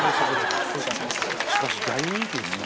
しかし、大人気ですね。